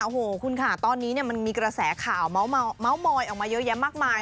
โอ้โหคุณค่ะตอนนี้มันมีกระแสข่าวเมาส์มอยออกมาเยอะแยะมากมาย